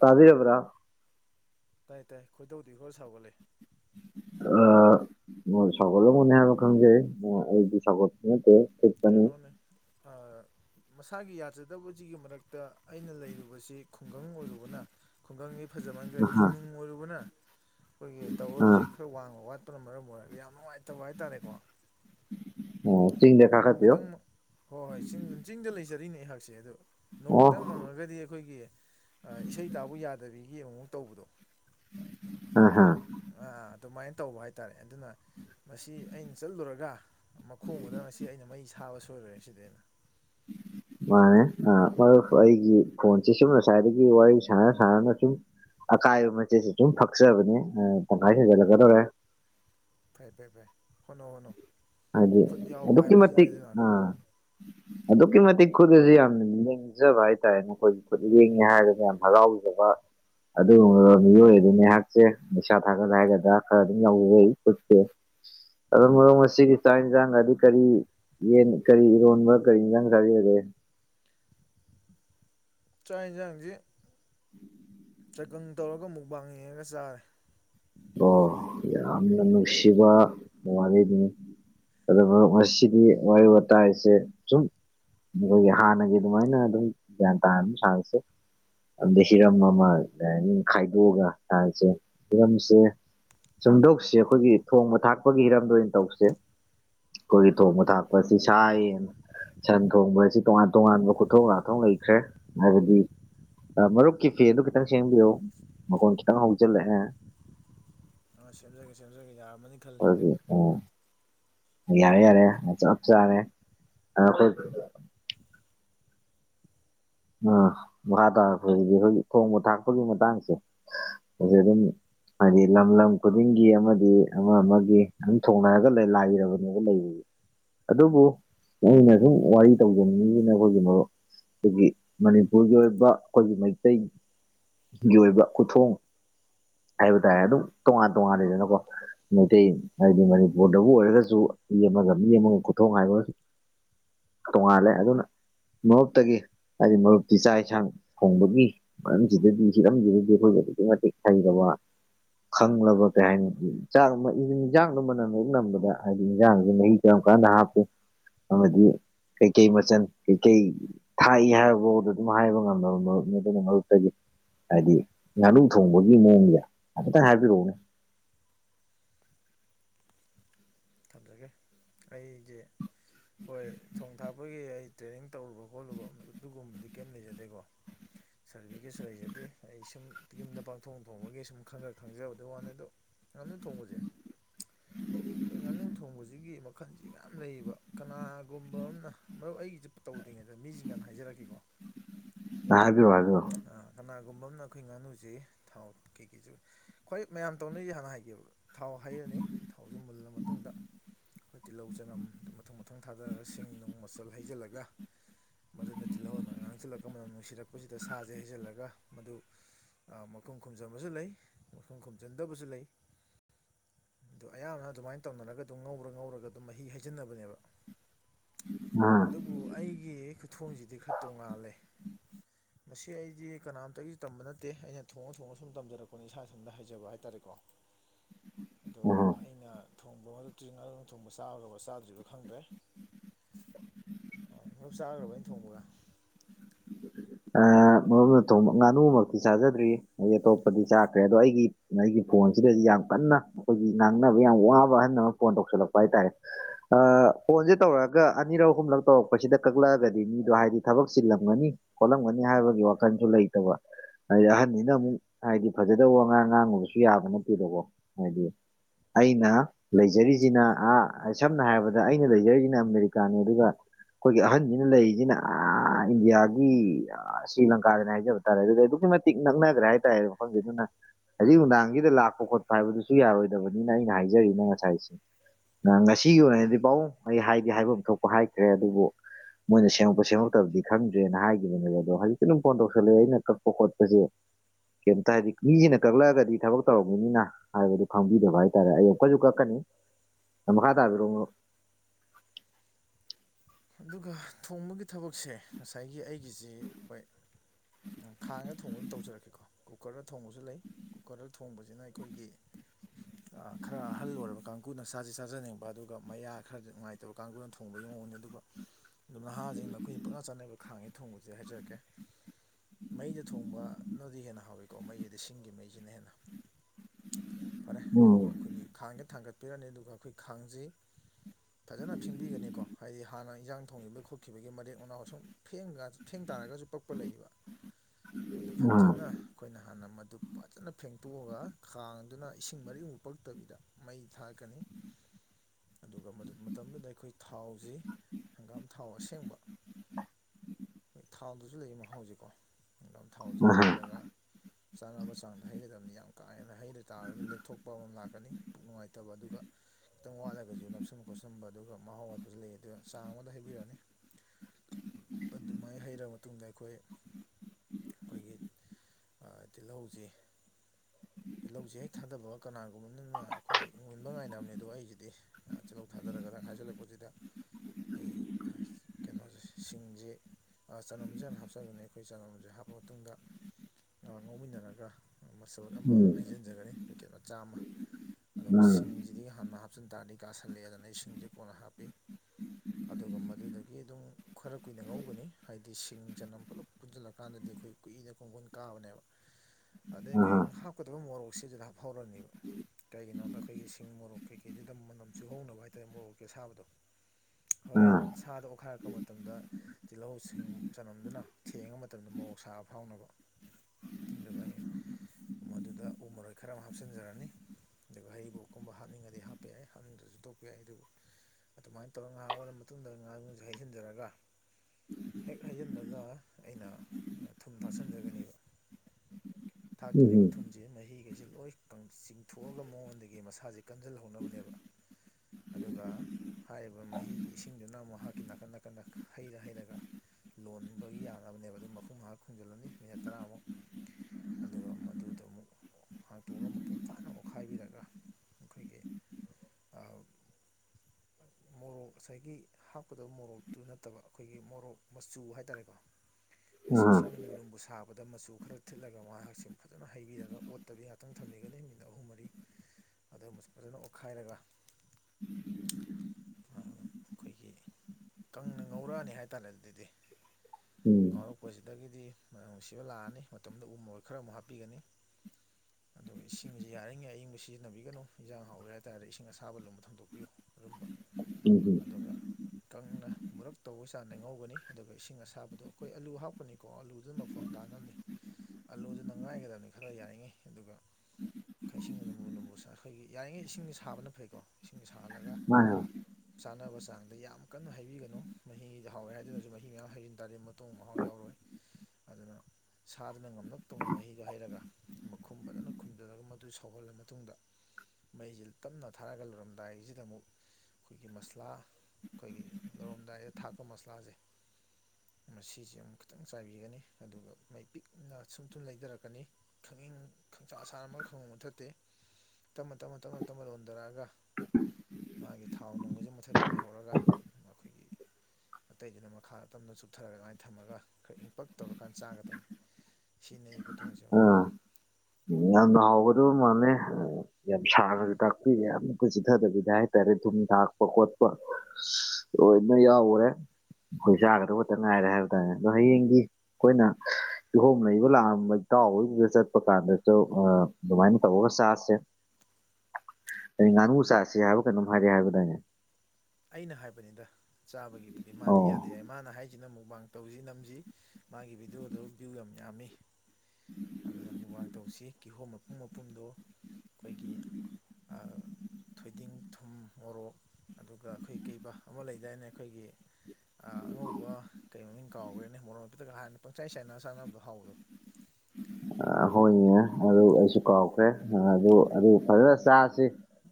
ꯇꯥꯗꯤꯔꯕ꯭ꯔꯥ ꯇꯥꯏ ꯇꯥꯏ ꯈꯣꯏꯗꯧꯗꯤ ꯈꯔ ꯁꯥꯎꯒꯠꯂꯦ ꯑꯥ ꯃꯣꯏ ꯁꯥꯎꯒꯜꯂꯝꯒꯅꯤ ꯍꯥꯏꯕ ꯈꯡꯗꯦ ꯏꯕꯣ ꯑꯩꯗꯤ ꯁꯥꯎꯒꯠꯄ ꯃꯤ ꯅꯠꯇꯦꯍꯦ ꯀꯩꯅꯣꯅꯦ ꯑꯥ ꯃꯁꯥꯒꯤ ꯌꯥꯖꯗꯕꯁꯤꯒꯤ ꯃꯔꯛꯇ ꯑꯩꯅ ꯂꯩꯔꯨꯕꯁꯤ ꯈꯨꯡꯒꯪ ꯑꯣꯏꯔꯨꯕꯅ ꯈꯨꯡꯒꯪꯗꯤ ꯐꯖ ꯃꯟꯈ꯭ꯔꯦ ꯑꯍꯥ ꯈꯨꯅꯨꯡ ꯑꯣꯏꯔꯨꯕꯅ ꯑꯩꯈꯣꯏꯒꯤ ꯑꯥ ꯇꯥꯋꯥꯔꯁꯦ ꯈꯔ ꯋꯥꯡꯕ ꯋꯥꯠꯄꯅ ꯃꯔꯝ ꯑꯣꯏꯔꯒ ꯌꯥꯝ ꯅꯨꯡꯉꯥꯏꯇꯕ ꯍꯥꯏꯇꯥꯔꯦꯀꯣ ꯑꯗꯨ ꯆꯤꯡꯗ ꯅꯣꯡ ꯀꯥꯈꯠꯄꯤꯌꯣ ꯈꯤꯇꯪ ꯍꯣꯏ ꯆꯤꯡ ꯆꯤꯡꯗ ꯂꯩꯖꯔꯤꯅꯦ ꯑꯩꯍꯥꯛꯁꯦ ꯑꯗꯣ ꯅꯣꯡ ꯑꯣ ꯈꯤꯇꯪ ꯃꯪꯉꯒꯗꯤ ꯑꯩꯈꯣꯏꯒꯤ ꯏꯁꯩ ꯇꯥꯕ ꯌꯥꯗꯕꯤꯒꯤ ꯑꯃꯨꯃꯨꯛ ꯇꯧꯕꯗꯣ ꯑꯝ ꯍꯝ [unintelligible] ꯑꯥ ꯑꯗꯨꯃꯥꯏꯅ ꯇꯧꯕ ꯍꯥꯏꯇꯥꯔꯦ ꯑꯗꯨꯅ ꯃꯁꯤ ꯑꯩꯅ ꯆꯠꯂꯨꯔꯒ ꯃꯈꯣꯡꯒꯗꯣ ꯉꯁꯤ ꯑꯩꯅ ꯃꯩ ꯁꯥꯕ ꯁꯣꯏꯔꯣꯏ ꯁꯤꯗ ꯑꯩꯅ [inaudible] ꯃꯥꯅꯦ ꯑꯥ ꯃꯔꯨꯞ ꯑꯩꯒꯤ ꯐꯣꯟꯁꯦ ꯁꯨꯝ ꯉꯁꯥꯏꯗꯒꯤ ꯋꯥꯔꯤ ꯁꯥꯟꯅ ꯁꯥꯟꯅꯅ ꯁꯨꯝ ꯑꯀꯥꯏꯕ ꯃꯆꯦꯠꯁꯤ ꯑꯗꯨꯨꯝ ꯐꯛꯆꯕꯅꯦ ꯇꯪꯈꯥꯏ ꯆꯥꯟꯖꯤꯜꯂꯛꯀꯗꯧꯔꯦ ꯐꯔꯦ ꯐꯔꯦ ꯐꯔꯦ ꯍꯣꯠꯅꯧ ꯍꯣꯠꯅꯧ ꯍꯥꯏꯗꯤ ꯈꯨꯠ ꯌꯥꯎꯕ ꯑꯗꯨꯛꯀꯤ ꯍꯥꯏꯕꯁꯤꯗꯤ ꯃꯇꯤꯛ ꯑꯗꯨ ꯉꯥꯛꯇꯅꯤ ꯑꯥ ꯑꯗꯨꯛꯀꯤ ꯃꯇꯤꯛ ꯈꯨꯗꯁꯨ ꯌꯥꯝꯅ ꯈꯟꯖꯕ ꯍꯥꯏꯇꯥꯔꯦ ꯅꯈꯣꯏꯒꯤ ꯈꯨꯠ [unintelligible] ꯍꯥꯏꯔꯒ ꯌꯥꯝ ꯍꯔꯥꯎꯖꯕ ꯑꯗꯨꯒꯨꯝꯂꯕ ꯃꯤꯑꯣꯏꯅꯤ ꯑꯩꯍꯥꯛꯁꯦ ꯏꯁꯥ ꯊꯥꯒꯠꯂꯦ ꯍꯥꯏꯒꯗ꯭ꯔꯥ ꯈꯔꯗꯤ ꯑꯗꯨꯝ ꯌꯥꯎꯖꯩ ꯈꯨꯠꯁꯦ ꯑꯗꯨ ꯃꯔꯨꯞ ꯉꯁꯤꯒꯤ ꯆꯥꯛ ꯌꯦꯟꯁꯥꯡ ꯈꯔꯗꯤ ꯀꯔꯤ ꯌꯦꯟ ꯀꯔꯤ ꯏꯔꯣꯟꯕ ꯀꯔꯤ ꯏꯟꯁꯥꯡ ꯆꯥꯕꯤꯔꯒꯦ ꯆꯥꯡ ꯏꯟꯖꯥꯡꯖꯦ [inaudible] ꯆꯥꯛꯒꯪ ꯇꯧꯔꯒ ꯃꯨꯛꯕꯥꯡ ꯌꯦꯡꯉꯒ ꯆꯥꯔꯦ ꯗꯣ ꯉꯁꯤꯗꯤ ꯌꯥꯝꯅ ꯅꯨꯡꯁꯤꯕ ꯋꯥꯔꯤꯗꯨꯅꯤ ꯑꯗꯨꯒ ꯉꯥꯁꯤꯗꯤ ꯋꯥꯔꯤ ꯋꯥꯇꯥꯏꯁꯦ ꯁꯨꯝ ꯃ [unintelligible] ꯍꯥꯟꯅꯒꯤ ꯑꯗꯨꯃꯥꯏꯅ ꯑꯗꯨꯝ ꯒ꯭ꯌꯥꯟ ꯇꯥꯅ ꯁꯨꯝ ꯁꯥꯕꯁꯦ ꯑꯗꯥ ꯍꯤꯔꯝ ꯑꯃ ꯀꯩ ꯍꯥꯢꯅꯤ ꯈꯥꯏꯗꯣꯛꯑꯒ ꯇꯥꯟꯁꯦ ꯍꯤꯔꯝ ꯑꯦ ꯁꯨꯝꯗꯧꯁꯦ ꯑꯩꯈꯣꯏꯒꯤ ꯊꯣꯡꯕ ꯊꯥꯛꯄꯒꯤ ꯍꯤꯔꯝꯗ ꯑꯣꯏꯅ ꯇꯧꯁꯦ ꯑꯩꯈꯣꯏꯒꯤ ꯊꯣꯡꯕ ꯊꯥꯛꯄ ꯑꯁꯤ ꯁꯥꯌꯦꯟ ꯁꯟ ꯊꯣꯡꯕ ꯑꯁꯤ ꯇꯣꯉꯥꯟ ꯇꯣꯉꯥꯟꯕ ꯈꯨꯊꯣꯡ ꯉꯥꯊꯣꯡ ꯑꯣꯏꯈ꯭ꯔꯦ ꯍꯥꯏꯕꯗꯤ ꯑꯥ ꯃꯔꯨꯞꯀꯤ ꯐꯦꯗꯨ ꯈꯤꯇꯪ ꯁꯦꯝꯕꯤꯌꯣ ꯃꯈꯣꯟ ꯈꯤꯇꯪ ꯍꯧꯖꯤꯜꯂꯛꯑꯦ ꯑꯥ ꯁꯦꯝꯖꯒꯦ ꯁꯦꯝꯖꯒꯦ ꯌꯥꯔꯝꯃꯅꯤ ꯈꯜꯂꯤ [unintelligible] ꯌꯥꯔꯦ ꯌꯥꯔꯦ ꯆꯞ ꯆꯥꯔꯦ ꯑꯥ ꯑꯈꯣꯏ [inaudible] ꯑꯥ ꯃꯈꯥ ꯇꯥꯔꯛꯄꯖꯤꯗꯤ ꯅꯪ ꯊꯣꯡꯕ ꯊꯥꯛꯄꯒꯤ ꯃꯇꯥꯡꯁꯦ ꯑꯣꯢꯖꯒꯅꯤ ꯍꯥꯏꯗꯤ ꯂꯝ ꯂꯝ ꯈꯨꯗꯤꯡꯒꯤ ꯑꯃꯥꯗꯤ ꯑꯃꯥ ꯑꯃꯥꯒꯤ ꯑꯗꯨꯝ ꯊꯣꯡꯅꯔꯒ ꯂꯦꯂꯥꯏꯔꯕꯅꯦꯕ ꯂꯩꯕꯗꯤ ꯑꯗꯨꯕꯨ ꯃꯣꯏꯅ ꯁꯨꯝ ꯋꯥꯔꯤ ꯇꯧꯖꯅꯤꯡꯉꯤꯅ ꯑꯩꯈꯣꯏꯒꯤ ꯃꯔꯨꯞ ꯑꯩꯈꯣꯏꯒꯤ ꯃꯅꯤꯄꯨꯔꯒꯤ ꯑꯣꯏꯕ ꯑꯩꯈꯣꯏꯒꯤ ꯃꯩꯇꯩ ꯒꯤ ꯑꯣꯏꯕ ꯈꯨꯊꯣꯡ ꯍꯥꯏꯕ ꯇꯥꯔꯦ ꯑꯗꯨꯝ ꯇꯣꯉꯥꯟ ꯇꯣꯉꯥꯟꯂꯤꯗꯅꯀꯣ ꯃꯩꯇꯩ ꯍꯥꯏꯗꯤ ꯃꯅꯤꯄꯨꯔꯗꯕꯨ ꯑꯣꯏꯔꯒꯁꯨ ꯃꯤ ꯑꯃꯥꯒ ꯃꯤ ꯑꯃꯨꯒ ꯈꯨꯊꯣꯡ ꯍꯥꯏꯕ ꯇꯣꯡꯉꯥꯜꯂꯦ ꯑꯗꯨꯅ ꯃꯔꯨꯞꯇꯒꯤ ꯍꯥꯏꯗꯤ ꯃꯔꯨꯞꯇꯤ ꯆꯥꯛ ꯏꯟꯁꯥꯡ ꯊꯣꯡꯕꯒꯤ ꯃꯔꯝꯁꯤꯗꯗꯤ ꯍꯤꯔꯝꯁꯤꯗꯗꯤ ꯑꯩꯈꯣꯏꯒ ꯑꯗꯨꯛꯀꯤ ꯃꯇꯤꯛ ꯍꯩꯔꯕ ꯈꯪꯂꯕ ꯀꯩ ꯍꯥꯏꯅꯤ ꯆꯥꯛ ꯃꯥ ꯏꯟꯖꯥꯡꯗꯣ ꯃꯅꯝ ꯍꯦꯛ ꯅꯝꯕꯗ ꯍꯥꯏꯗꯤ ꯏꯟꯖꯥꯡꯖꯤ ꯃꯍꯤ ꯌꯥꯝ ꯀꯥꯟꯅ ꯍꯥꯞꯇꯦ ꯑꯃꯥꯗꯤ ꯀꯩꯀꯩ ꯃꯆꯜ ꯀꯩꯀꯩ ꯊꯥꯛꯢ [unintelligible] [unintelligible] ꯍꯥꯏꯕ ꯉꯝꯂꯕ ꯃꯔꯨꯞꯅꯤ ꯑꯗꯨꯅ ꯃꯔꯨꯞꯇꯒꯤ ꯍꯥꯏꯗꯤ ꯉꯥꯅꯨ ꯊꯣꯡꯕꯒꯤ ꯃꯑꯣꯡꯖꯦ ꯍꯥꯢꯐꯦꯠꯇꯪ ꯍꯥꯏꯕꯤꯔꯛꯑꯣꯅꯦ ꯊꯝꯖꯒꯦ ꯑꯩꯖꯦ ꯍꯣꯏ ꯊꯣꯡ ꯊꯥꯛꯄꯒꯤ ꯑꯩ ꯇ꯭ꯔꯦꯅꯤꯡ ꯇꯧꯔꯨꯕ ꯈꯣꯠꯂꯨꯕ ꯑꯗꯨꯒꯨꯝꯕꯗꯤ ꯀꯩꯝ ꯂꯩꯖꯗꯦꯀꯣ ꯁꯔꯇꯤꯐꯤꯀꯦꯠꯁꯨ ꯂꯩꯖꯗꯦ ꯑꯩ ꯁꯨꯝ ꯌꯨꯝꯗ ꯄꯪꯊꯣꯡ ꯊꯣꯡꯕꯒꯤ ꯁꯨꯝ ꯈꯔ ꯈꯪꯖꯕꯗꯨꯏ ꯋꯥꯅꯤ ꯑꯗꯨ ꯉꯥꯅꯨ ꯊꯣꯡꯕꯖꯦ ꯈꯣꯏ ꯉꯥꯅꯨ ꯊꯣꯡꯕꯖꯤꯒꯤ ꯃꯈꯟꯖꯤ ꯃꯌꯥꯝ ꯂꯩꯕ ꯀꯅꯥꯒꯨꯝꯕ ꯑꯝꯅ ꯃꯔꯨꯞ ꯑꯩꯒꯤꯖꯦ ꯇꯧꯗ꯭ꯔꯤꯉꯩꯗ ꯃꯤꯖꯤꯡꯒꯤ ꯍꯥꯟꯅ ꯍꯥꯏꯖꯔꯛꯀꯦꯀꯣ ꯍꯥꯏꯕꯤꯔꯣ ꯍꯥꯏꯕꯤꯔꯣ ꯑꯥ ꯀꯅꯥꯒꯨꯝꯕ ꯑꯝꯅ ꯑꯈꯣꯏ ꯉꯥꯅꯨꯖꯤ ꯊꯥꯎ ꯀꯩꯀꯩꯁꯨ ꯈ꯭ꯋꯥꯏ ꯃꯌꯥꯝ ꯇꯧꯅꯩꯖꯤ ꯍꯥꯟꯅ ꯍꯥꯏꯒꯦꯕ ꯊꯥꯎ ꯍꯩꯔꯅꯤ ꯊꯥꯎꯖꯤ ꯃꯨꯜꯂ ꯃꯇꯨꯡꯗ ꯈꯣꯏ ꯇꯤꯜꯂꯧ ꯆꯅꯝ ꯗꯨ ꯃꯊꯪ ꯃꯊꯪ ꯊꯥꯗꯔꯒ ꯁꯤꯡ ꯅꯨꯡ ꯃꯆꯜ ꯍꯩꯖꯤꯜꯂꯒ ꯃꯗꯨꯅ ꯇꯤꯜꯍꯧ ꯉꯥꯡꯖꯤꯜꯂꯛꯄ ꯃꯅꯝ ꯅꯨꯡꯁꯤꯔꯛꯄꯖꯤꯗ ꯁꯥꯖꯦ ꯍꯩꯖꯤꯜꯂꯒ ꯃꯗꯨ ꯑ ꯃꯈꯨꯝ ꯈꯨꯝꯖꯕꯁꯨ ꯂꯩ ꯃꯈꯨꯝ ꯈꯨꯝꯖꯟꯗꯕꯁꯨ ꯂꯩ ꯑꯗꯨ ꯑꯌꯥꯝꯕꯅ ꯑꯗꯨꯝꯃꯥꯏ ꯇꯧꯅꯔꯒ ꯑꯗꯨꯝ ꯉꯧꯔ ꯉꯧꯔꯒ ꯑꯗꯨꯝ ꯃꯍꯤ ꯍꯩꯖꯟꯅꯕꯅꯦꯕ ꯑꯥ ꯑꯗꯨꯕꯨ ꯑꯩꯒꯤ ꯈꯨꯊꯣꯡꯖꯤꯗꯤ ꯈꯔ ꯇꯣꯡꯉꯥꯜꯂꯦ ꯃꯁꯤ ꯑꯩꯗꯤ ꯀꯅꯥꯝꯇꯒꯤ ꯇꯝꯕ ꯅꯠꯇꯦ ꯑꯩꯅ ꯊꯣꯡꯉ ꯊꯣꯡꯉ ꯁꯨꯝ ꯇꯝꯖꯔꯛꯄꯅꯤ ꯏꯁꯥ ꯏꯊꯟꯗ ꯍꯩꯖꯕ ꯍꯥꯏꯇꯥꯥꯔꯦꯀꯣ [inaudible] ꯑꯗꯣ ꯎꯝ ꯑꯩꯅ ꯊꯣꯡꯕ ꯃꯔꯨꯞꯇꯤ ꯉꯥꯅꯨ ꯊꯣꯡꯕ ꯆꯥꯒ꯭ꯔꯕ ꯆꯥꯗ꯭ꯔꯤꯕ ꯈꯪꯗ꯭ꯔꯦ [inaudible] ꯑꯣ ꯃꯔꯨꯞ ꯆꯥꯒ꯭ꯔꯕꫭ ꯑꯩꯟ ꯊꯣꯡꯕꯒ ꯑꯥ ꯃꯔꯨꯞꯅ ꯊꯣꯡꯕ ꯉꯥꯅꯨꯃꯛꯇꯤ ꯆꯥꯖꯗ꯭ꯔꯤ ꯑꯩ ꯑꯇꯣꯞꯄꯗꯤ ꯆꯥꯈ꯭ꯔꯦ ꯑꯗꯣ ꯑꯩꯒꯤ [unintelligible] ꯑꯩꯒꯤ ꯐꯣꯟꯖꯤꯗꯗꯤ ꯌꯥꯝ ꯀꯟꯅ ꯃꯈꯣꯏꯒꯤ ꯉꯥꯡꯅꯕ ꯌꯥꯝ ꯋꯥꯕ ꯑꯍꯟ ꯑꯃ ꯐꯣꯟ ꯇꯧꯁꯜꯂꯛꯄ ꯍꯥꯏꯇꯥꯔꯦ ꯑꯥ ꯐꯣꯟꯖꯦ ꯇꯧꯔꯛꯑꯒ ꯑꯅꯤꯔꯛ ꯑꯍꯨꯝꯂꯛ ꯇꯧꯔꯛꯄꯁꯤꯗ ꯀꯛꯂꯛꯑꯒꯗꯤ ꯃꯤꯗꯣ ꯍꯥꯏꯗꯤ ꯊꯕꯛ ꯆꯤꯜꯂꯝꯒꯅꯤ ꯈꯣꯠꯂꯝꯒꯅꯤ ꯍꯥꯏꯕꯒꯤ ꯋꯥꯈꯟꯖꯨ ꯂꯩꯇꯕ ꯑꯗꯩ ꯑꯍꯟꯅꯤꯅ ꯑꯃꯨꯛ ꯍꯥꯏꯗꯤ ꯐꯖꯗꯕ ꯋꯉꯥꯡ ꯉꯥꯡꯉꯨꯕꯁꯨ ꯌꯥꯕ ꯅꯠꯇꯦꯕꯀꯣ ꯃꯣꯏꯗꯤ ꯑꯩꯅ ꯂꯩꯖꯔꯤꯖꯤꯅ ꯑꯥ ꯁꯝꯅ ꯍꯥꯏꯔꯕꯗ ꯑꯩꯅ ꯂꯩꯖꯔꯤꯖꯤꯅ ꯑꯃꯦꯔꯤꯀꯥꯅꯤ ꯑꯗꯨꯒ ꯈꯣꯏꯒꯤ ꯑꯍꯟꯖꯤꯅ ꯂꯩꯖꯤꯅ ꯑꯥ ꯏꯟꯗꯤꯌꯥ ꯒꯤ ꯑꯥ ꯁ꯭ꯔꯤꯂꯪꯀꯥꯗꯅꯦ ꯍꯥꯏꯖꯕ ꯇꯥꯔꯦ ꯑꯗꯨꯗꯤ ꯑꯗꯨꯛꯀꯤ ꯃꯇꯤꯛ ꯅꯛꯅꯒ꯭ꯔꯦ ꯍꯥꯏꯇꯥꯔꯦ ꯃꯐꯝꯖꯦ ꯑꯗꯨꯅ ꯍꯧꯖꯤꯛ ꯅꯨꯡꯗꯥꯡꯖꯤꯗ ꯂꯥꯛꯄ ꯈꯣꯠꯄ ꯍꯥꯏꯕꯗꯨꯁꯨ ꯌꯥꯔꯣꯏꯗꯕꯅꯤꯅ ꯑꯩꯅ ꯍꯥꯏꯖꯔꯤꯅ ꯉꯁꯥꯏ ꯉꯁꯤꯒꯤ ꯑꯣꯏꯅꯗꯤ ꯄꯥꯎꯡ ꯑꯩ ꯍꯥꯏꯗꯤ ꯍꯥꯏꯕꯝ ꯊꯣꯛꯄ ꯍꯥꯏꯈ꯭ꯔꯦ ꯑꯗꯨꯕꯨ ꯃꯣꯏꯅ ꯁꯦꯝꯃꯛꯄ ꯁꯦꯝꯃꯛꯇꯕꯗꯤ ꯈꯪ ꯗ꯭ꯔꯦꯅ ꯍꯥꯏꯒꯤꯕꯅꯦꯕ ꯑꯗꯣ ꯍꯧꯖꯤꯛꯁꯨ ꯑꯗꯨꯝ ꯐꯣꯟ ꯇꯧꯁꯜꯂꯛꯑꯦ ꯑꯩꯅ ꯀꯛꯄ ꯈꯣꯠꯄꯖꯦ ꯀꯩꯝꯇ ꯍꯥꯏꯗꯤ ꯃꯤꯖꯤꯅ ꯀꯛꯂꯑꯒꯗꯤ ꯊꯕꯛ ꯇꯧꯔꯝꯒꯅꯤꯅ [unintelligible] ꯈꯪꯕꯤꯗꯕ ꯍꯥꯏꯇꯥꯔꯦ ꯑꯩ ꯑꯈꯣꯏꯖꯨ ꯀꯛꯀꯅꯤ ꯃꯈꯥ ꯇꯥꯕꯤꯔꯛꯎ ꯃꯔꯨꯞ ꯑꯗꯨꯒ ꯊꯣꯡꯕꯒꯤ ꯊꯕꯛꯁꯦ ꯉꯁꯥꯏꯒꯤ ꯑꯩꯒꯤꯖꯦ ꯍꯣꯏ ꯈꯥꯡꯗ ꯊꯣꯡꯕ ꯑꯗꯨꯝ ꯇꯧꯖꯔꯛꯀꯦꯀꯣ ꯀꯨꯀꯔꯗ ꯊꯣꯡꯕꯖꯨ ꯂꯩ ꯀꯨꯀꯔꯗ ꯊꯣꯡꯕꯖꯤꯅ ꯑꯩꯈꯣꯏꯒꯤ [inaudible] ꯑ ꯈꯔ ꯑꯍꯜ ꯑꯣꯏꯔꯕ ꯀꯥꯡꯒꯨꯅ ꯆꯥꯖꯤ ꯆꯥꯖꯅꯤꯡꯕ ꯑꯗꯨꯒ ꯃꯌꯥ ꯈꯔꯗꯤ ꯅꯨꯡꯉꯥꯏꯇꯕ ꯀꯥꯡꯒꯨꯅ ꯊꯣꯡꯕꯒꯤ ꯃꯑꯣꯡꯅꯤ ꯑꯗꯨꯒ ꯑꯗꯨꯝ ꯅꯍꯥꯖꯤꯡꯅ ꯈꯣꯏꯒꯤ ꯄꯪꯆꯥ ꯆꯥꯅꯕꯩ ꯈꯥꯡꯖꯤ ꯊꯣꯡꯕꯖꯦ ꯍꯥꯏꯖꯔꯛꯀꯦ ꯃꯩꯗ ꯊꯣꯡꯕ ꯅꯗꯤ ꯍꯦꯟꯅ ꯍꯥꯎꯋꯤꯀꯣ ꯃꯩꯗꯤ ꯁꯤꯡꯒꯤ ꯃꯩꯖꯤꯅ ꯍꯦꯟꯅ [inaudible] ꯐꯔꯦ ꯑꯗꯨꯒ ꯎꯝ ꯈꯣꯏꯒꯤ ꯈꯥꯡꯗ ꯊꯥꯡꯒꯠꯄꯤꯔꯅꯤ ꯑꯗꯨꯒ ꯈꯣꯏ ꯈꯥꯡꯖꯤ ꯐꯖꯅ ꯐꯦꯡꯕꯤꯒꯅꯤꯀꯣ ꯍꯥꯏꯗꯤ ꯍꯥꯟꯅ ꯏꯟꯖꯥꯡ ꯊꯣꯡꯒꯤꯕꯩ ꯈꯣꯠꯈꯤꯕꯩ ꯃꯔꯦꯛ ꯃꯅꯥꯎ ꯁꯨꯝ ꯐꯦꯡꯉꯒ ꯐꯦꯡ ꯇꯥꯔꯒꯖꯨ ꯄꯛꯄ ꯂꯩꯕ ꯃꯗꯨ ꯑꯥ ꯐꯠꯖꯅ ꯈꯣꯏꯅ ꯍꯥꯟꯅ ꯃꯗꯨ ꯐꯖꯅ ꯐꯦꯡꯇꯣꯛꯑꯒ ꯈꯥꯡꯗꯨꯅ ꯏꯁꯤꯡ ꯃꯔꯤꯛ ꯑꯃꯨꯛ ꯄꯛꯇꯕꯤꯗ ꯃꯩ ꯊꯥꯛꯀꯅꯤ [inaudible] ꯑꯗꯨꯒ ꯃꯗꯨ ꯃꯇꯝꯗꯨꯗ ꯑꯩꯈꯣꯏ ꯊꯥꯎꯖꯤ ꯍꯪꯒꯥꯝ ꯊꯥꯎ ꯑꯁꯦꯡꯕ ꯈꯣꯏ ꯊꯥꯎꯗꯖꯨ ꯂꯩ ꯃꯍꯥꯎꯖꯦꯀꯣ ꯍꯪꯒꯥꯝ ꯊꯥꯎꯖꯦ ꯑꯍꯥ ꯍꯩꯔꯒ ꯆꯥꯅꯕ ꯆꯥꯡꯗ ꯍꯩꯒꯗꯝꯅꯤ ꯌꯥꯝ ꯀꯥ ꯍꯦꯟꯅ ꯍꯩꯔ ꯇꯥꯔꯒ ꯑꯃ ꯃꯝ ꯂꯦꯛꯊꯣꯛꯄ ꯑꯃ ꯂꯥꯛꯀꯅꯤ ꯄꯨꯛ ꯅꯨꯡꯉꯥꯏꯇꯕ ꯑꯗꯨꯒ ꯈꯤꯇꯪ ꯋꯥꯠꯂꯒꯖꯨ ꯅꯞꯁꯟꯕ ꯈꯣꯠꯆꯟꯕ ꯑꯗꯨꯒ ꯃꯍꯥꯎ ꯋꯥꯠꯄꯖꯨ ꯂꯩ ꯑꯗꯨ ꯆꯥꯡ ꯑꯃꯗ ꯍꯩꯕꯤꯔꯅꯤ ꯑꯗꯨꯃꯥꯏ ꯍꯩꯔ ꯃꯇꯨꯡꯗ ꯑꯩꯈꯣꯏ ꯈꯣꯏꯒꯤ ꯑꯥ ꯇꯤꯜꯂꯧꯖꯦ ꯇꯤꯜꯂꯧꯖꯦ ꯍꯦꯛ ꯊꯥꯗꯕꯒ ꯀꯅꯥꯒꯨꯝꯕꯝꯅ ꯑꯈꯣꯏꯒꯤ ꯃꯨꯟꯕ ꯉꯥꯏꯅꯕꯅꯦ ꯑꯗꯣ ꯑꯩꯒꯤꯗꯤ ꯑ ꯇꯤꯜꯂꯧ ꯊꯥꯗꯔꯒꯗ ꯈꯥꯏꯖꯤꯜꯂꯛꯄꯖꯤꯗ ꯑꯩ ꯀꯩꯅꯣꯖꯦ ꯁꯤꯡꯖꯦ ꯑ ꯆꯅꯝꯖꯦ ꯍꯥꯟꯅ ꯍꯥꯞꯆꯒꯅꯤ ꯑꯩꯈꯣꯏ ꯆꯅꯝꯖꯦ ꯍꯥꯞꯄ ꯃꯇꯨꯡꯗ ꯑ ꯉꯧꯃꯤꯟꯅꯔꯒ ꯃꯆꯜ ꯑꯃ ꯎꯝ ꯍꯩꯖꯤꯟꯖꯒꯅꯤ ꯄꯦꯀꯦꯠ ꯃꯆꯥ ꯑꯃ ꯑꯗꯨꯒ ꯑꯥ ꯁꯤꯡꯖꯤꯗꯤ ꯍꯥꯟꯅ ꯍꯥꯞꯆꯟ ꯇꯥꯔꯗꯤ ꯀꯥꯁꯜꯂꯛꯑꯦ ꯗꯅ ꯑꯩ ꯁꯤꯡꯖꯤ ꯀꯣꯟꯅ ꯍꯥꯞꯄꯤ ꯑꯗꯨꯒ ꯃꯗꯨꯗꯒꯤ ꯑꯗꯨꯝ ꯈꯔ ꯀꯨꯏꯅ ꯉꯧꯒꯅꯤ ꯍꯥꯏꯗꯤ ꯁꯤꯡ ꯆꯅꯝ ꯄꯨꯂꯞ ꯄꯨꯟꯖꯜꯂꯀꯥꯟꯗꯗꯤ ꯈꯣꯏ ꯀꯨꯏꯅ ꯀꯣꯡꯒꯣꯟ ꯀꯥꯕꯅꯦꯕ ꯑꯗꯩꯒꯤ ꯑꯍꯥ ꯍꯥꯞꯀꯗꯕ ꯃꯣꯔꯣꯛꯁꯤ ꯑꯗꯨꯗ ꯍꯥꯞꯐꯧꯔꯅꯤꯕ ꯀꯩꯒꯤꯅꯣꯗ ꯑꯈꯣꯏꯒꯤ ꯁꯤꯡ ꯃꯣꯔꯣꯛ ꯀꯩꯀꯩꯗꯨꯗ ꯃꯅꯝ ꯆꯨꯍꯧꯅꯕ ꯍꯥꯏꯇꯥꯔꯦ ꯃꯣꯔꯣꯛ ꯀꯤ ꯑꯁꯥꯕꯗꯣ ꯑꯥ ꯍꯣꯔꯦꯟ ꯁꯥꯗꯣ ꯑꯣꯠꯈꯥꯏꯔꯛꯄ ꯃ ꯇꯝꯗ ꯇꯤꯜꯂꯧꯁꯤꯡ ꯆꯅꯝꯗꯨꯅ ꯊꯦꯡꯉ ꯃꯇꯝꯗ ꯃꯣꯔꯣꯛ ꯁꯥꯕ ꯐꯥꯎꯅꯕ ꯑꯗꯨꯒ ꯑꯩꯅ ꯃꯗꯨꯗ ꯎ ꯃꯔꯣꯏ ꯈꯔ ꯑꯃ ꯍꯥꯞꯆꯤꯟꯖꯔꯅꯤ ꯑꯗꯨꯒ ꯍꯔꯤꯕꯣꯛꯀꯨꯝꯕ ꯍꯥꯞꯅꯤꯡꯉꯗꯤ ꯍꯥꯞꯄ ꯌꯥꯏ ꯍꯥꯞꯅꯤꯡꯗ꯭ꯔꯖꯨ ꯇꯣꯛꯄ ꯌꯥꯏ ꯑꯗꯨꯕꯨ ꯑꯗꯨꯃꯥꯏꯟ ꯇꯧꯔ ꯉꯥꯛ ꯑꯣꯠꯂ ꯃꯇꯨꯡꯗ ꯉꯥꯅꯨꯖꯦ ꯍꯩꯖꯤꯟꯖꯔꯒ ꯍꯦꯛ ꯍꯩꯖꯟꯕꯒ ꯑꯩꯅ ꯊꯨꯝ ꯊꯥꯛꯆꯟꯖꯒꯅꯦꯕ [inaudible] ꯊꯥꯛꯇꯣꯔꯤꯕ ꯊꯨꯝ ꯖꯤ ꯃꯍꯤꯒꯩꯖꯦ ꯂꯣꯏ ꯀꯪ ꯆꯤꯡꯊꯣꯛꯑꯒ ꯃꯉꯣꯟꯗꯒꯤ ꯃꯁꯥꯖꯦ ꯀꯟꯖꯜꯍꯧꯅꯕꯅꯦꯕ ꯑꯗꯨꯒ ꯍꯥꯏꯔꯤꯕ ꯕ ꯃꯍꯤꯒꯤ ꯏꯁꯤꯡꯗꯨꯅ ꯃꯍꯥꯛꯀꯤ ꯅꯥꯀꯟ ꯅꯥꯀꯟꯗ ꯍꯩꯔ ꯍꯩꯔꯒ ꯂꯣꯟꯕꯒꯤ ꯌꯥꯔꯕꯅꯦꯕ ꯑꯗꯨ ꯃꯈꯨꯝ ꯉꯥꯏꯍꯥꯛ ꯈꯨꯝꯖꯤꯜꯂꯅꯤ ꯃꯤꯅꯠ ꯇꯔꯥꯃꯨꯛ ꯑꯗꯨꯒ ꯃꯗꯨꯗꯣ ꯑꯃꯨꯛ ꯍꯥꯡꯇꯣꯛꯑꯒ ꯃꯄꯨꯡ ꯐꯥꯅ ꯑꯣꯠꯈꯥꯏꯕꯤꯔꯒ ꯑꯩꯈꯣꯏꯒꯤ ꯑ ꯃꯣꯔꯣꯛ ꯉꯁꯥꯏꯒꯤ ꯍꯥꯞꯀꯗꯕ ꯃꯣꯔꯣꯛꯇꯨ ꯅꯠꯇꯕ ꯑꯩꯈꯣꯏꯒꯤ ꯃꯣꯔꯣꯛ ꯃꯆꯨ ꯍꯥꯏꯇꯥꯔꯦꯀꯣ ꯃꯁꯤ ꯑꯍꯥ ꯏꯁꯤꯡ ꯂꯨꯝꯕꯨ ꯂꯨꯝꯕꯨ ꯁꯥꯕꯗ ꯃꯆꯨ ꯈꯔ ꯊꯤꯠꯂꯒ ꯉꯍꯥꯛꯁꯤꯡ ꯐꯖꯅ ꯍꯩꯕꯤꯔꯒ ꯑꯣꯠꯇꯕꯤ ꯉꯍꯥꯛꯇꯪ ꯊꯝꯕꯤꯒꯅꯤ ꯃꯤꯅꯠ ꯑꯍꯨꯝ ꯃꯔꯤ ꯑꯗꯨꯒ ꯐꯖꯅ ꯑꯣꯠꯈꯥꯏꯔꯒ ꯑ ꯑꯩꯈꯣꯏꯒꯤ ꯀꯪꯅ ꯉꯧꯔꯛꯑꯅꯤ ꯍꯥꯏꯇꯥꯔꯦ ꯑꯗꯨꯗꯤ ꯎꯝ ꯉꯥꯎꯔꯛꯄꯁꯤꯗꯒꯤꯗꯤ ꯅꯨꯡꯁꯤꯕ ꯂꯥꯛꯑꯅꯤ ꯃꯇꯝꯗ ꯎꯃꯣꯔꯣꯛ ꯈꯔ ꯑꯃꯨꯛ ꯍꯥꯞꯄꯤꯒꯅꯤ ꯑꯗꯨꯒ ꯏꯁꯤꯡꯁꯤ ꯌꯥꯔꯤꯉꯩ ꯑꯌꯪꯕ ꯁꯤꯖꯤꯟꯅꯕꯤꯒꯅꯨ ꯏꯟꯖꯥꯡ ꯍꯥꯎꯒꯦ ꯍꯥꯏꯇꯥꯔꯗꯤ ꯏꯁꯤꯡ ꯑꯁꯥꯕ ꯂꯨꯝꯃ ꯊꯝꯗꯣꯛꯄꯤꯌꯨ ꯑꯔꯨꯝꯕ [inaudible] ꯑꯗꯨꯒ ꯀꯪꯅ ꯃꯨꯔꯞ ꯇꯧꯕꯩ ꯆꯥꯡꯗ ꯉꯧꯒꯅꯤ ꯑꯗꯨꯒ ꯏꯁꯤꯡ ꯑꯁꯥꯕꯗꯣ ꯑꯩꯈꯣꯏ ꯑꯥꯂꯨ ꯍꯥꯞꯀꯅꯤ ꯀꯣ ꯑꯥꯂꯨꯗꯨ ꯃꯐꯣꯟ ꯇꯥꯅꯕꯅꯤ ꯑꯥꯂꯨꯗꯨꯅ ꯉꯥꯏꯒꯗꯕꯅꯤ ꯈꯔ ꯌꯥꯔꯤꯉꯩ ꯑꯗꯨꯒ ꯀ ꯏꯁꯤꯡ ꯂꯨꯝꯕꯨ ꯂꯨꯝꯕꯨꯁ ꯑꯩꯈꯣꯏꯒꯤ ꯌꯥꯔꯤꯉꯩ ꯏꯁꯤꯡꯁꯦ ꯁꯥꯕꯅ ꯐꯩꯀꯣ ꯏꯁꯤꯡꯁꯦ ꯁꯥꯍꯜꯂꯒ ꯎꯝ ꯆꯥꯟꯅꯕ ꯆꯥꯡꯗ ꯌꯥꯝ ꯀꯟꯅ ꯍꯩꯕꯤꯒꯅꯨ ꯃꯍꯤꯗ ꯍꯥꯎꯋꯦ ꯍꯥꯏꯗꯅꯁꯨ ꯃꯍꯤ ꯃꯌꯥꯝ ꯍꯩꯖꯤꯟ ꯇꯥꯔꯗꯤ ꯃꯇꯣꯡ ꯃꯍꯥꯎ ꯌꯥꯎꯔꯣꯏ ꯑꯗꯨꯅ ꯁꯥꯗꯨꯅ ꯉꯝꯂꯞ ꯇꯧꯅ ꯃꯍꯤꯗꯣ ꯍꯩꯔꯒ ꯃꯈꯨꯝ ꯐꯖꯅ ꯈꯨꯝꯖꯤꯜꯂꯒ ꯃꯗꯨ ꯁꯧꯍꯜꯂ ꯃꯇꯨꯡꯗ ꯃꯩꯁꯤ ꯇꯞꯅ ꯊꯥꯔꯒ ꯂꯣꯏꯔꯝꯗꯥꯏꯁꯤꯗ ꯑꯃꯨꯛ ꯑꯩꯈꯣꯏꯒꯤ ꯃꯁꯂꯥ ꯑꯩꯈꯣꯏꯒꯤ ꯂꯣꯏꯔꯝꯗꯥꯏꯗ ꯊꯥꯛꯄ ꯃꯁꯂꯥꯖꯦ ꯃꯁꯤꯁꯦ ꯑꯃꯨꯛ ꯈꯤꯇꯪ ꯆꯥꯏꯕꯤꯒꯅꯤ ꯑꯗꯨꯒ ꯃꯩ ꯄꯤꯛꯅ ꯁꯨꯝ ꯁꯨꯝ ꯂꯩꯗꯔꯛꯀꯅꯤ ꯈꯪꯅꯤꯡ ꯈꯪꯁꯥ ꯁꯥꯔꯝꯃꯒ ꯈꯪꯃꯨꯠ ꯃꯨꯊꯠꯇꯦ ꯇꯞꯅ ꯇꯞꯅ ꯇꯞꯅ ꯇꯞꯅ ꯂꯣꯟꯗꯔꯛꯑꯒ ꯃꯥꯒꯤ ꯊꯥꯎ ꯅꯨꯡꯒꯖꯨ ꯃꯊꯛꯇ ꯂꯩꯍꯧꯔꯒ ꯑꯩꯈꯣꯏꯒꯤ ꯑꯇꯩꯗꯨꯅ ꯃꯈꯥ ꯇꯝꯅ ꯆꯨꯞꯊꯔ ꯑꯗꯨꯃꯥꯏ ꯊꯝꯃꯒ ꯈꯔ ꯏꯪꯄꯛ ꯇꯧꯔꯀꯥꯟ ꯆꯥꯒꯗꯕꯅꯤ ꯁꯤꯅꯦ ꯑꯩ ꯈꯨꯊꯣꯡꯁꯦ [inaudible] ꯎꯝ ꯌꯥꯝꯅ ꯍꯥꯎꯒꯗꯧꯕ ꯃꯥꯥꯟꯅꯦ ꯌꯥꯝ ꯁꯥꯡꯅꯖꯨ ꯇꯥꯛꯄꯤꯔꯦ ꯑꯃꯨꯛꯀꯖꯨ ꯆꯤꯊꯗꯕꯤꯗ ꯍꯥꯏꯇꯥꯔꯦ ꯊꯨꯝ ꯊꯥꯛꯄ ꯈꯣꯠꯄ ꯂꯣꯏꯅ ꯌꯥꯎꯒ꯭ꯔꯦ ꯑꯩꯈꯣꯏ ꯆꯥꯒꯗꯕ ꯈꯛꯇ ꯉꯥꯏꯔꯦ ꯍꯥꯏꯕ ꯇꯥꯔꯦ ꯑꯗꯣ ꯍꯌꯦꯡꯗꯤ ꯑꯩꯈꯣꯏꯅ ꯀꯤꯍꯣꯝ ꯂꯩꯕ ꯂꯥꯛꯑꯝꯕ ꯏꯇꯥꯎ ꯍꯣꯏꯒꯤꯗ ꯆꯠꯄ ꯀꯥꯟꯗꯁꯨ ꯑ ꯑꯗꯨꯃꯥꯏꯅ ꯇꯧꯔꯒ ꯆꯥꯁꯦ ꯀꯔꯤ ꯉꯥꯅꯨ ꯆꯥꯁꯤ ꯍꯥꯏꯕ ꯀꯩꯅꯣꯝ ꯍꯥꯏꯔꯛꯑꯦ ꯍꯥꯏꯕꯗꯥꯏꯅꯦ ꯑꯩꯅ ꯍꯥꯏꯕꯅꯤꯗ ꯆꯥꯕꯒꯤꯕꯨꯗꯤ ꯃꯥꯗꯤ ꯑꯧ ꯏꯌꯥꯗ ꯌꯥꯏ ꯃꯥꯅ ꯍꯥꯏꯖꯤꯅ ꯃꯨꯛꯕꯥꯥꯡ ꯇꯧꯖꯤ ꯅꯝꯖꯤ ꯃꯥꯒꯤ ꯚꯤꯗꯤꯑꯣꯗ ꯚ꯭ꯌꯨ ꯌꯥꯝ ꯌꯥꯝꯃꯤ ꯑꯗꯨꯅ ꯃꯨꯛꯕꯥꯡ ꯇꯧꯁꯤ ꯀꯤꯍꯣꯝ ꯃꯄꯨꯡ ꯃꯄꯨꯝꯗꯣ ꯑꯩꯈꯣꯏꯒꯤ ꯑ ꯊꯣꯏꯗꯤꯡ ꯊꯨꯝ ꯃꯣꯔꯣꯛ ꯑꯗꯨꯒ ꯑꯩꯈꯣꯏ ꯀꯩꯕ ꯑꯃ ꯂꯩꯗꯥꯏꯅ ꯑꯩꯈꯣꯏꯒꯤ ꯑ ꯑꯉꯧꯕ ꯀꯩ ꯃꯃꯤꯡ ꯀꯥꯎꯒ꯭ꯔꯦꯅꯦ ꯃꯣꯔꯣꯛ ꯃꯦꯠꯄꯗꯒ ꯍꯥꯞꯄ ꯄꯪꯆꯥꯏ ꯆꯥꯏꯅꯔꯒ ꯆꯥꯟꯅꯕꯗꯣ ꯍꯥꯎꯕꯗꯣ ꯑ ꯍꯣꯏꯅꯦ ꯑꯗꯨ ꯑꯩꯁꯨ ꯀꯥꯎꯈ꯭ꯔꯦ ꯑꯗꯨ ꯑꯗꯨ ꯐꯖꯅ ꯆꯥꯁꯤ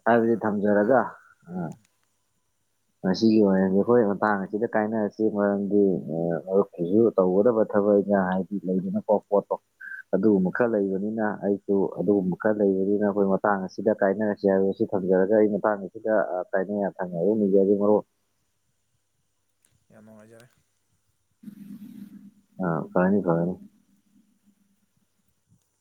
ꯍꯥꯏꯕꯗꯤ ꯊꯝꯖꯔꯒ ꯑꯗꯨꯃꯥꯏꯅ ꯎꯝ ꯉꯁꯤꯒꯤ ꯑꯣꯏꯅꯗꯤ ꯑꯩꯈꯣꯏ ꯃꯇꯥꯡ ꯑꯁꯤꯗ ꯀꯥꯏꯅꯔꯁꯤ ꯃꯔꯝꯗꯤ ꯑ ꯃꯔꯨꯞꯀꯤꯖꯨ ꯇꯧꯒꯗꯕ ꯊꯕꯛ ꯏꯡꯈꯥꯡ ꯍꯥꯏꯕꯗꯤ ꯂꯩꯗꯅꯀꯣ ꯄꯣꯠꯇꯣ ꯑꯗꯨꯒꯨꯝꯕ ꯈꯔ ꯂꯩꯕꯅꯤꯅ ꯑꯩ ꯑꯗꯨ ꯑꯗꯨꯒꯨꯝꯕ ꯈꯔ ꯂꯩꯕꯅꯤꯅ ꯑꯩꯈꯣꯏ ꯃꯇꯥꯡ ꯑꯁꯤꯗ ꯀꯥꯏꯅꯔꯁꯤ ꯍꯥꯏꯕꯁꯤ ꯊꯝꯖꯔꯒ ꯑꯩ ꯃꯇꯥꯡ ꯁꯤꯗ ꯑ ꯀꯥꯏꯅ ꯌꯥꯊꯪ ꯑꯃꯨꯛ ꯅꯤꯖꯔꯤ ꯃꯔꯨꯞ ꯌꯥꯝ ꯅꯨꯡꯉꯥꯏꯖꯔꯦ ꯑꯥ ꯐꯥꯅꯤ ꯐꯒꯅꯤ [inaudible]